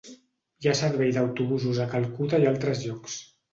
Hi ha servei d'autobusos a Calcuta i altres llocs.